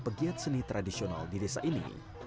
pegiat seni tradisional di desa ini